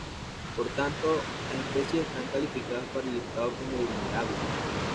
Por tanto, las especies están calificadas para el listado como Vulnerable.